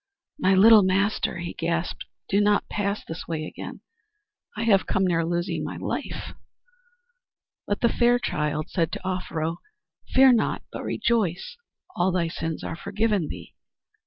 "My little Master," he gasped, "do not pass this way again; I have come near losing my life." But the fair child said to Offero, "Fear not, but rejoice. All thy sins are forgiven thee.